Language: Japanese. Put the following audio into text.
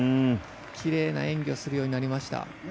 奇麗な演技をするようになりました。